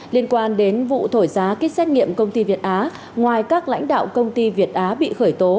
liên quan đến vụ thổi giá kích xét nghiệm công ty việt á ngoài các lãnh đạo công ty việt á bị khởi tố